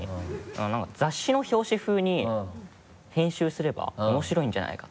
何か雑誌の表紙風に編集すれば面白いんじゃないか。